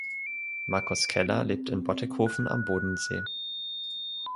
Markus Keller lebt in Bottighofen am Bodensee.